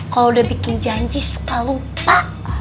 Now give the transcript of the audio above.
kalau udah bikin janji suka lupa